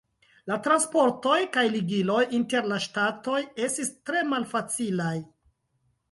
La transportoj kaj ligiloj inter la ŝtatoj estis tre malfacilaj.